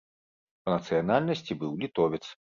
Па нацыянальнасці быў літовец.